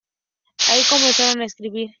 Allí comenzaría a escribir.